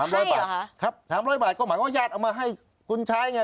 ร้อยบาทครับ๓๐๐บาทก็หมายความว่าญาติเอามาให้คุณใช้ไง